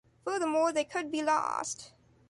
Furthermore, they could be lost.